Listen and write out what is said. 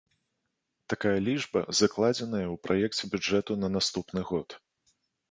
Такая лічба закладзеная ў праекце бюджэту на наступны год.